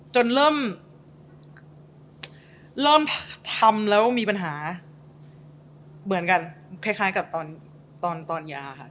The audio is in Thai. จนเริ่มทำแล้วมีปัญหาเหมือนกันคล้ายกับตอนยาค่ะ